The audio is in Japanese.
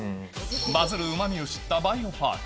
バズるうまみを知ったバイオパーク。